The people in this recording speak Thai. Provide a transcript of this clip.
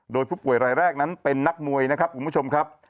โดยผู้ป่วยรายแรกนั้นเป็นนักมวยนะครับคุณผู้ชมครับ